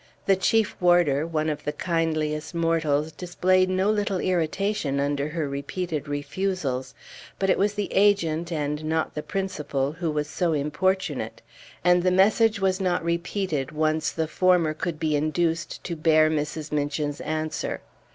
The Chief Warder, one of the kindliest mortals, displayed no little irritation under her repeated refusals; but it was the agent, and not the principal, who was so importunate; and the message was not repeated once the former could be induced to bear Mrs. Minchin's answer.